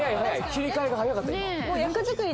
切り替えが早かった今。